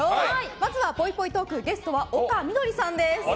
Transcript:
まずは、ぽいぽいトークゲストは丘みどりさんです。